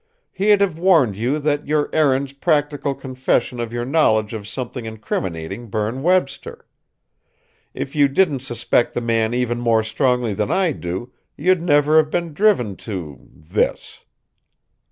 He'd have warned you that your errand's practical confession of your knowledge of something incriminating Berne Webster. If you didn't suspect the man even more strongly than I do, you'd never have been driven to this."